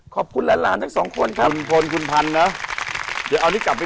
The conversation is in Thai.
ขอบคุณหลานทั้ง๒คนครับ